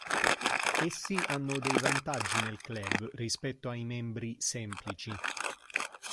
Essi hanno dei vantaggi nel club, rispetto ai membri "semplici".